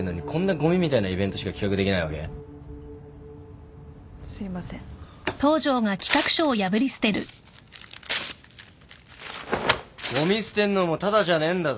ゴミ捨てんのもタダじゃねえんだぞ？